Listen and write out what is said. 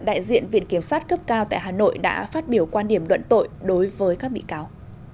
đại diện viện kiểm sát cấp cao tại hà nội đã phát biểu quan điểm luận tội đối với các bị cáo